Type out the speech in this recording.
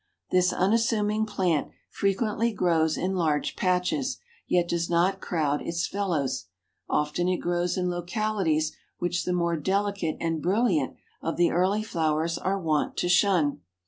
This unassuming plant frequently grows in large patches, yet does not crowd its fellows; often it grows in localities which the more delicate and brilliant of the early flowers are wont to shun.